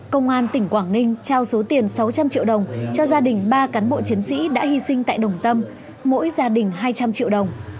công an tỉnh quảng ninh trao số tiền sáu trăm linh triệu đồng cho gia đình ba cán bộ chiến sĩ đã hy sinh tại đồng tâm mỗi gia đình hai trăm linh triệu đồng